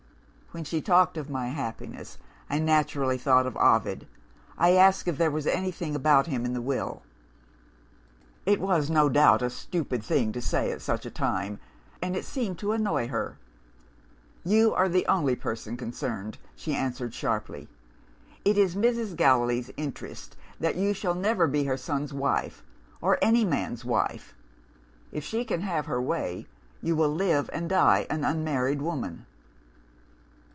"When she talked of my happiness, I naturally thought of Ovid. I asked if there was anything about him in the Will. "It was no doubt a stupid thing to say at such a time; and it seemed to annoy her. 'You are the only person concerned,' she answered sharply. 'It is Mrs. Gallilee's interest that you shall never be her son's wife, or any man's wife. If she can have her way, you will live and die an unmarried woman.